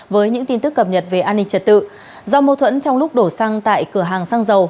với những tin tức cập nhật về an ninh trật tự do mâu thuẫn trong lúc đổ xăng tại cửa hàng xăng dầu